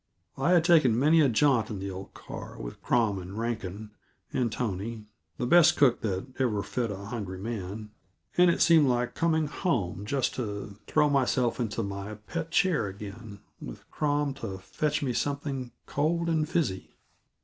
I had taken many a jaunt in the old car, with Crom, and Rankin, and Tony, the best cook that ever fed a hungry man, and it seemed like coming home just to throw myself into my pet chair again, with Crom to fetch me something cold and fizzy.